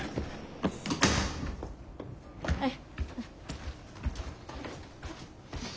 はい。